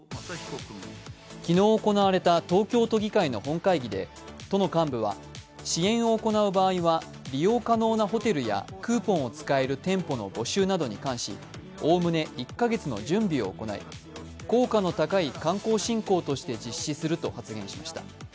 昨日行われた東京都議会の本会議で都の幹部は支援を行う場合は利用可能なホテルやクーポンを使える店舗の募集に対しおおむね１か月の準備を行い効果の高い観光振興として実施すると発言しました。